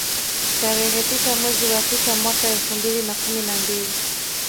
Tarehe sita mwezi wa sita mwaka elfu mbili na kumi na mbili